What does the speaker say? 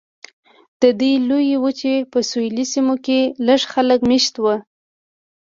د دې لویې وچې په سویلي سیمو کې لږ خلک مېشت وو.